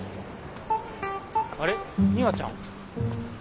あれミワちゃん？